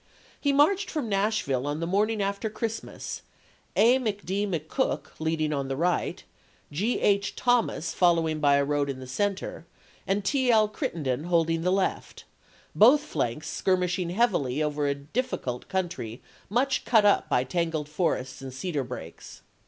1862. He marched from Nashville on the morning after Christmas, A. McD. McCook leading on the right, G. H. Thomas following by a road in the center, and T. L. Crittenden holding the left, both flanks skir mishing heavily over a difficult country much cut up by tangled forests and cedar brakes.